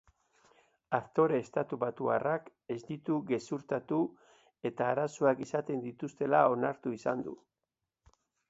Aktore estatubatuarrak ez ditu gezurtatu eta arazoak izaten dituztela onartu izan du.